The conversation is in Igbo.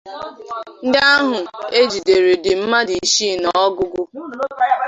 Ndị ahụ e jidere dị mmadụ isii n'ọnụọgụgụ